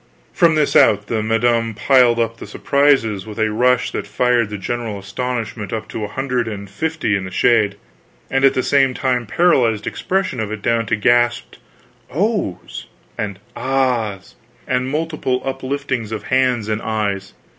From this out, the madam piled up the surprises with a rush that fired the general astonishment up to a hundred and fifty in the shade, and at the same time paralyzed expression of it down to gasped "Oh's" and "Ah's," and mute upliftings of hands and eyes.